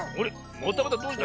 またまたどうした？